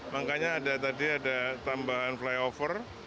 makanya ada tadi ada tambahan flyover